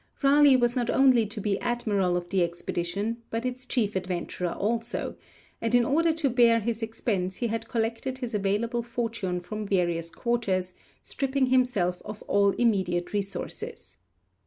Raleigh was not only to be admiral of the expedition, but its chief adventurer also, and in order to bear this expense he had collected his available fortune from various quarters, stripping himself of all immediate resources.